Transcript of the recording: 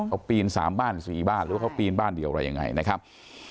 เอาปีน๓บ้าน๔บ้านหรือว่าเขาปีนบ้านเดียวอะไรยังไงนะครับ